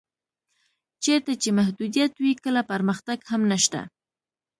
چېرته چې محدودیت وي کله پرمختګ هم نشته.